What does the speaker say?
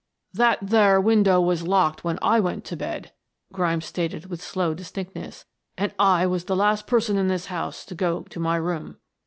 "That there window was locked when I went to bed," Grimes stated with slow distinctness. "And I was the last person in this house to go to my room."